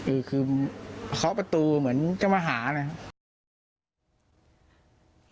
เออคือเขาประตูเหมือนจะมาหาเลย